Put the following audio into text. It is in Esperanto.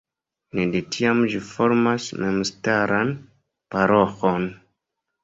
Ek de tiam ĝi formas memstaran paroĥon.